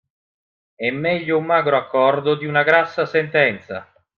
E' meglio un magro accordo di una grassa sentenza.